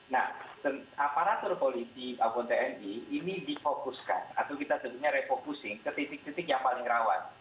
nah aparatur polisi maupun tni ini difokuskan atau kita sebutnya refocusing ke titik titik yang paling rawan